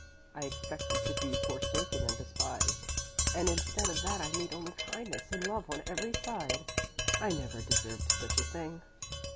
I expected to be forsaken and despised, and instead of that I meet only kindness and love on every side. I never deserved such a thing!